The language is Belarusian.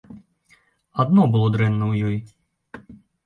Адно было дрэнна ў ёй.